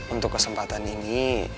untuk kesempatan ini